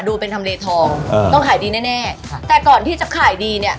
ดูเป็นทำเลทองเออต้องขายดีแน่แน่ค่ะแต่ก่อนที่จะขายดีเนี้ย